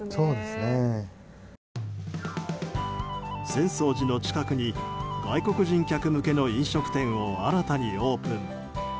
浅草寺の近くに外国人客向けの飲食店を新たにオープン。